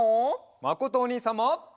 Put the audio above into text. まことおにいさんも。